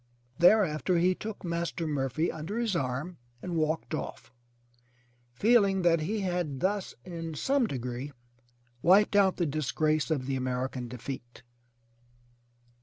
Thereafter he took Master Murphy under his arm and walked off, feeling that he had thus in some degree wiped out the disgrace of the American defeat!